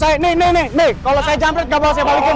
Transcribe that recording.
ini ini ini kalau saya jamret nggak boleh saya balikin